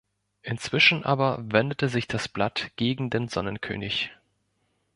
Inzwischen aber wendete sich das Blatt gegen den Sonnenkönig.